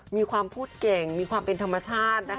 มีความพูดเก่งมีความเป็นธรรมชาติ